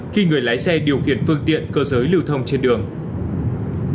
khi người lái xe điều khiển phương tiện cơ giới lưu thông trên đường